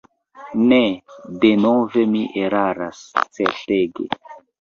Ne, denove mi eraras, certege.